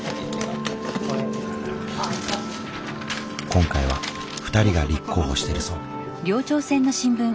今回は２人が立候補してるそう。